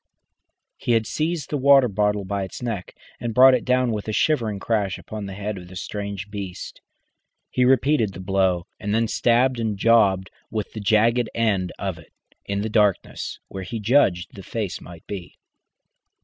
He had seized the water bottle by its neck and brought it down with a shivering crash upon the head of the strange beast. He repeated the blow, and then stabbed and jabbed with the jagged end of it, in the darkness, where he judged the face might be.